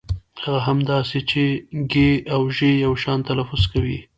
هغه هم داسې چې ږ او ژ يو شان تلفظ کوي.